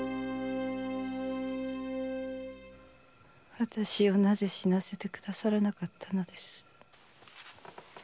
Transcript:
わたしをなぜ死なせてくださらなかったんです？